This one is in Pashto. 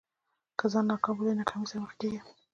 که ځان ناکام بولې له ناکامۍ سره مخ کېږې.